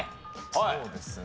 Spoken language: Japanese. そうですね。